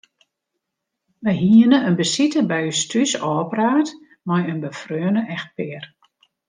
Wy hiene in besite by ús thús ôfpraat mei in befreone echtpear.